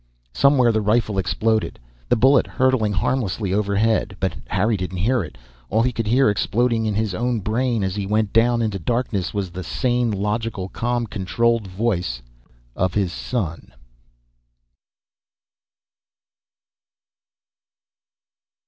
Somewhere the rifle exploded, the bullet hurtling harmlessly overhead. But Harry didn't hear it. All he could hear, exploding in his own brain as he went down into darkness, was the sane, logical, calm, controlled voice of his son.